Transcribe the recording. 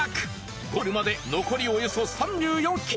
ゴールまで残りおよそ３４ｋｍ。